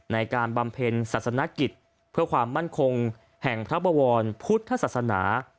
บำเพ็ญศาสนกิจเพื่อความมั่นคงแห่งพระบวรพุทธศาสนา